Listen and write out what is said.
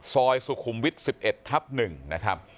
ซอยสุขุมวิทย์๑๑ทับ๑นะครับ